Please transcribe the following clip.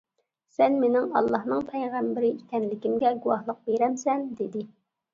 سەن مېنىڭ ئاللانىڭ پەيغەمبىرى ئىكەنلىكىمگە گۇۋاھلىق بېرەمسەن؟ -دېدى.